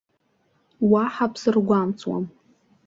Уаҳа бсыргәамҵуам.